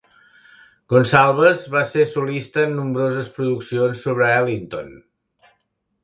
Gonsalves va ser solista en nombroses produccions sobre Ellington.